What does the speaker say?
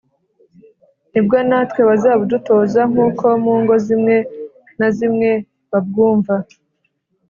Ni bwo natwe bazabudutoza nk’uko mu ngo zimwe na zimwe babwumva